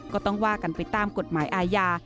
ก็ต้องว่ากันไปตามกฎหมายอาญา